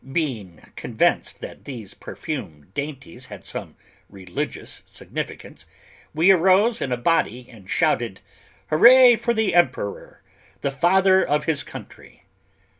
Being convinced that these perfumed dainties had some religious significance, we arose in a body and shouted, "Hurrah for the Emperor, the father of his country!"